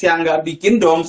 yang gak bikin doms